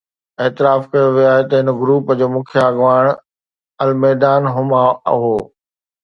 اعتراف ڪيو ويو آهي ته هن گروپ جو مکيه اڳواڻ الميدان حما هو